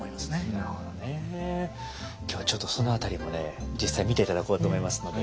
今日はちょっとその辺りもね実際見て頂こうと思いますので。